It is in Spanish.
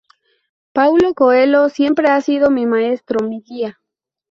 Paulo Coelho siempre ha sido mi maestro, mi guía.